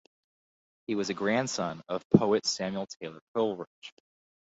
He was a grandson of poet Samuel Taylor Coleridge.